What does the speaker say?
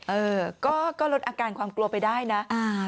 เออก็ลดอาการความกลัวไปได้นะ